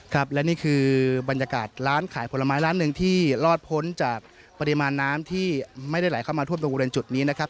ครับและนี่คือบรรยากาศร้านขายผลไม้ร้านหนึ่งที่รอดพ้นจากปริมาณน้ำที่ไม่ได้ไหลเข้ามาท่วมตรงบริเวณจุดนี้นะครับ